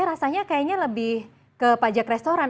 ini saya rasanya kayaknya lebih ke pajak restoran